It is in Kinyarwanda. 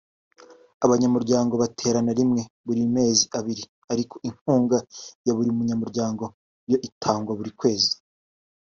Abanyamuryango baterana rimwe buri mezi abiri ariko inkunga ya buri munyamuryango yo itangwa buri kwezi